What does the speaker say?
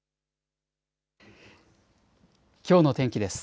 きょうの天気です。